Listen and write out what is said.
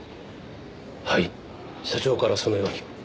はい社長からそのように。